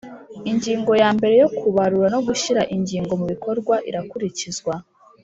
ingingo ya mbere yo kubarura no gushyira ingingo mubikorwa irakurikizwa